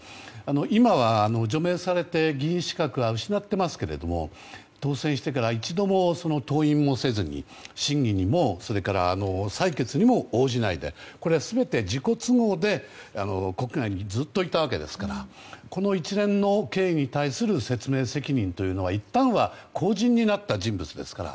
今は除名されて議員資格は失っていますが当選してから一度も登院もせずに審議にもそれから採決にも応じないでこれは全て自己都合で国外にずっといたわけですからこの一連の経緯に対する説明責任はいったんは公人になった人物ですから。